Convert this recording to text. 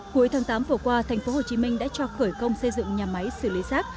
cuối tháng tám vừa qua tp hcm đã cho khởi công xây dựng nhà máy xử lý rác